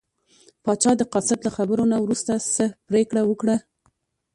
پاچا د قاصد له خبرو نه وروسته څه پرېکړه وکړه.